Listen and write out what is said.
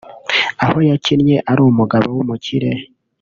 aho yakinnye ari umugabo w'umukire